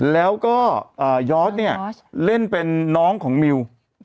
แล้วยอร์จเล่นเป็นน้องของมิว